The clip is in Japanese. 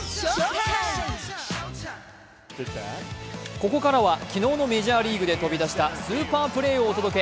ここからは昨日のメジャーリーグで飛び出したスーパープレーをお届け。